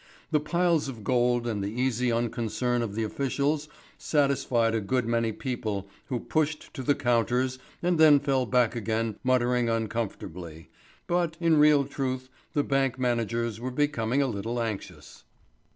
The piles of gold and the easy unconcern of the officials satisfied a good many people who pushed to the counters and then fell back again muttering uncomfortably; but, in real truth, the bank managers were becoming a little anxious.